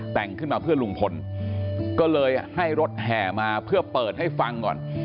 แต่งขึ้นมาเพื่อลุงพลก็เลยให้รถแห่มาเพื่อเปิดให้ฟังก่อน